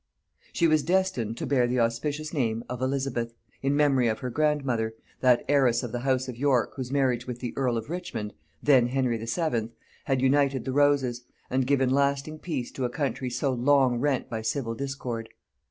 She was destined to bear the auspicious name of Elizabeth, in memory of her grandmother, that heiress of the house of York whose marriage with the earl of Richmond, then Henry VII., had united the roses, and given lasting peace to a country so long rent by civil discord.